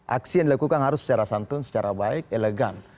aksi yang dilakukan harus secara santun secara baik elegan